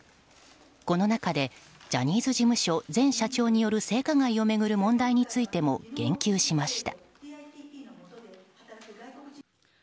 この中でジャニーズ事務所前社長による性加害を巡る問題についても言及しました。